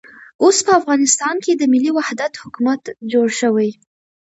اوس په افغانستان کې د ملي وحدت حکومت جوړ شوی.